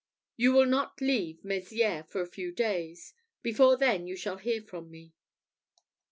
You will not leave Mezières for a few days before then you shall hear from me."